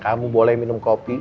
kamu boleh minum kopi